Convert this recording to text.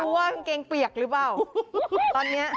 ไม่รู้ว่าข้างเกงเปียกหรือเปล่าตอนนี้